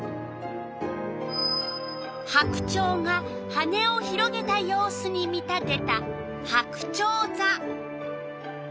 白鳥が羽を広げた様子に見立てたはくちょうざ。